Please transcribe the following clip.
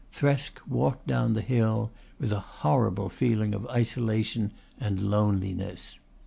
Thresk walked down the hill with a horrible feeling of isolation and loneliness.